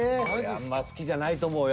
あんま好きじゃないと思うよ